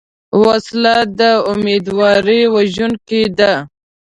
وسله د امیدواري وژونکې ده